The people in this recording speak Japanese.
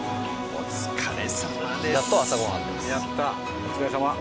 お疲れさま。